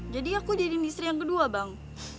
jadi aku jadi istri yang kedua bang